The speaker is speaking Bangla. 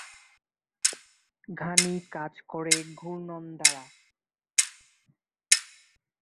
ঘানি কাজ করে ঘূর্ণন দ্বারা।